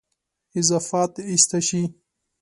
اضافات ایسته شي.